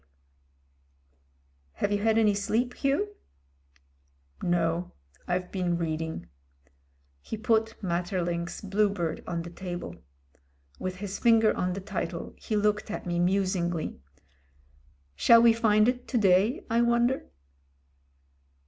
K." "Have you had any sleep, Hugh ?" "No. I've been reading." He put Maeterlinck's "Blue Bird" on the table. With his finger on the title he looked at me musingly, "Shall we find it to day, I wonder?"